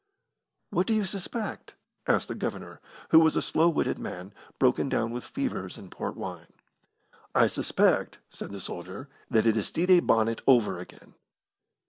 "What do you suspect?" asked the Governor, who was a slow witted man, broken down with fevers and port wine. "I suspect," said the soldier, "that it is Stede Bonnet over again."